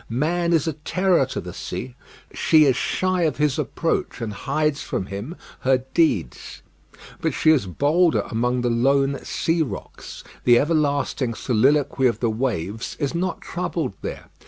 Man is a terror to the sea; she is shy of his approach, and hides from him her deeds. But she is bolder among the lone sea rocks. The everlasting soliloquy of the waves is not troubled there.